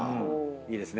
いいですね。